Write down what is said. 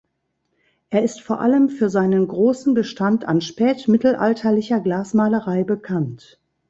Er ist vor allem für seinen großen Bestand an spätmittelalterlicher Glasmalerei bekannt.